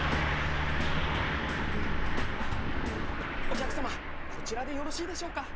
お客様こちらでよろしいでしょうか。